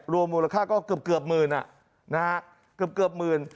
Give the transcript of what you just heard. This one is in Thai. รวมมูลค่าก็เกือบเกือบหมื่นอ่ะนะฮะเกือบหมื่น